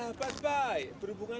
tkn harus dibubarkan